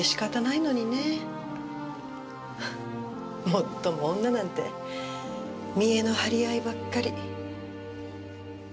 もっとも女なんて見えの張り合いばっかり。